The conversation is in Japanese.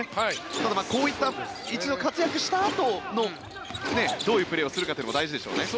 ただ、こういった一度活躍したあとのどういうプレーをするかというのも大事でしょうね。